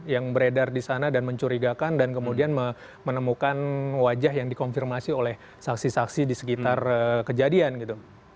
yang beredar di sana dan mencurigakan dan kemudian menemukan wajah yang dikonfirmasi oleh saksi saksi di sekitar kejadian gitu